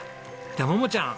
では桃ちゃん